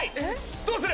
どうする？